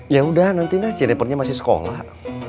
yaudah nantinya jenipernya masih sekolah